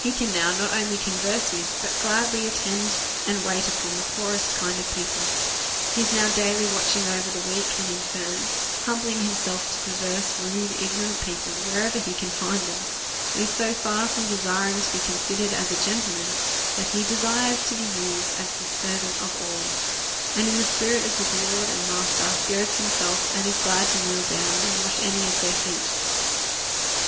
He can now not only converse with, but gladly attend and wait upon, the poorest kind of people. He is now daily watching over the weak and infirm, humbling himself to per verse, rude, ignorant people, wherever he can find 298 A SERIOUS CALL TO A them ; and is so far from desiring to be considered as a gentleman^ that he desires to be used as the ser vant of all ; and, in the spirit of his Lord and Master, girds himself, and is glad to kneel down and wash any of their feet.